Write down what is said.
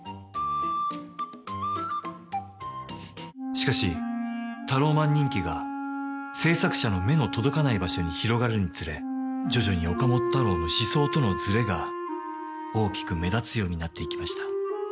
しかしタローマン人気が制作者の目の届かない場所に広がるにつれ徐々に岡本太郎の思想とのズレが大きく目立つようになっていきました。